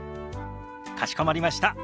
かしこまりました。